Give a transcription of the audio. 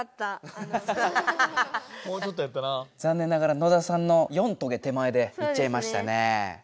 ざんねんながら野田さんの４トゲ手前でいっちゃいましたね。